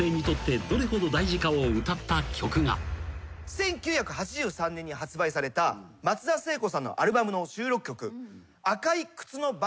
１９８３年に発売された松田聖子さんのアルバムの収録曲。